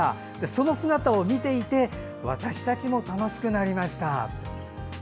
その姿を見ていて私たちも楽しくなりました。